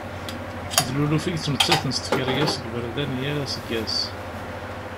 D luluf i yettmettaten s tkeryas deg yiberdan yal aseggas.